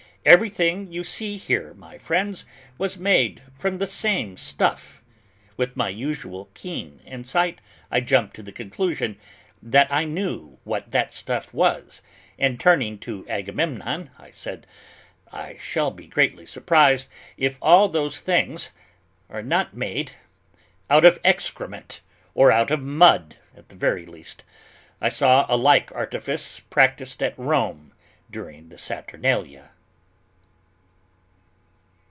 "Everything you see here, my friends," said he, "was made from the same stuff." With my usual keen insight, I jumped to the conclusion that I knew what that stuff was and, turning to Agamemnon, I said, "I shall be greatly surprised, if all those things are not made out of excrement, or out of mud, at the very least: I saw a like artifice practiced at Rome during the Saturnalia."